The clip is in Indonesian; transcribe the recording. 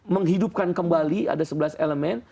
menghidupkan kembali ada sebelas elemen